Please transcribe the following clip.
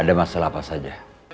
ada masalah apa saja